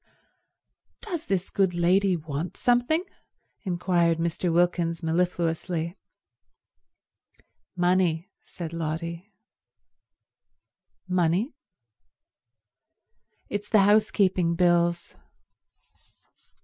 "Does this good lady want something?" inquired Mr. Wilkins mellifluously. "Money," said Lotty. "Money?" "It's the housekeeping bills."